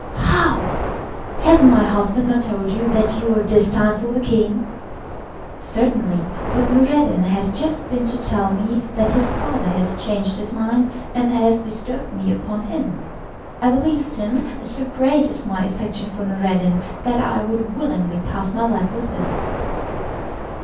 "How! Has my husband not told you that you are destined for the king?" "Certainly, but Noureddin has just been to tell me that his father has changed his mind and has bestowed me upon him. I believed him, and so great is my affection for Noureddin that I would willingly pass my life with him."